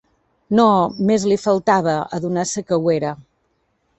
No més li faltava, adonar-se de que ho era